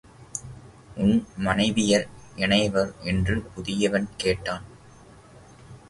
உன் மனைவியர் எனைவர்? என்று புதியவன் கேட்டான்.